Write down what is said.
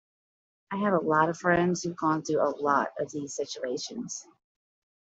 I have a lot of friends who've gone through a lot of these situations.